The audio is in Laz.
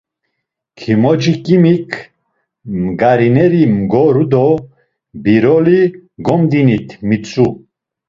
Kimociçkimik mgarineri mgoru do "Biroli gomdinit" mitzu.